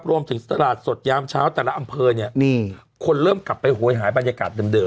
ตลาดสดยามเช้าแต่ละอำเภอเนี่ยคนเริ่มกลับไปโหยหาบรรยากาศเดิม